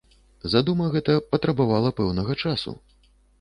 Задума гэта патрабавала пэўнага часу.